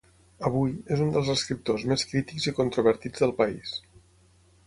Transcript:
Avui, és un dels escriptors més crítics i controvertits del país.